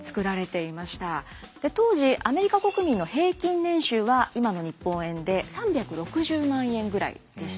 当時アメリカ国民の平均年収は今の日本円で３６０万円ぐらいでした。